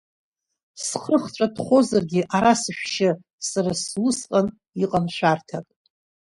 Схы хҵәатәхозаргьы ара сышәшьы, сара сзы усҟан иҟам шәарҭак.